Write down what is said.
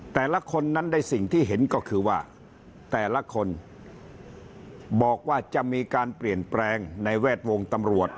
แต่ละคนนั้นได้สิ่งที่เห็นก็คือว่าแต่ละคนบอกว่าจะมีการเปลี่ยนแปลงในแวดวงตำรวจ